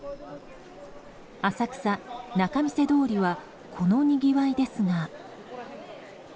浅草・仲見世通りはこのにぎわいですが。